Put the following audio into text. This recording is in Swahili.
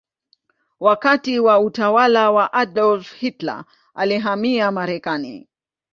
Wakati wa utawala wa Adolf Hitler alihamia Marekani.